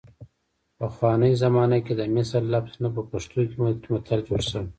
پخوانۍ زمانه کې د مثل لفظ نه په پښتو کې متل جوړ شوی